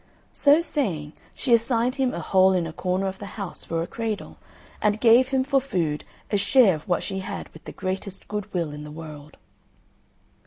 So saying, she assigned him a hole in a corner of the house for a cradle, and gave him for food a share of what she had with the greatest goodwill in the world.